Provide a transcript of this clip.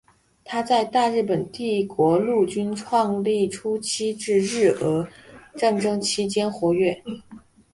他在大日本帝国陆军创立初期至日俄战争期间活跃。